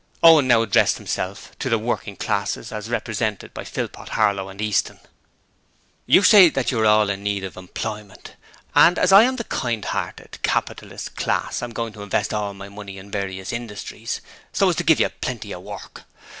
Owen now addressed himself to the working classes as represented by Philpot, Harlow and Easton. 'You say that you are all in need of employment, and as I am the kind hearted capitalist class I am going to invest all my money in various industries, so as to give you Plenty of Work.